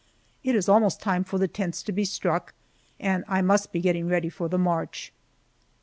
It is almost time for the tents to be struck, and I must be getting ready for the march.